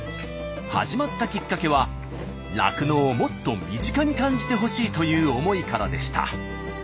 始まったきっかけは酪農をもっと身近に感じてほしいという思いからでした。